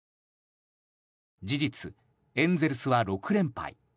事実、エンゼルスは６連敗。